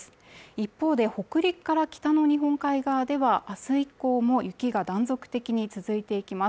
一方で北陸から北の日本海側ではあす以降も雪が断続的に続いていきます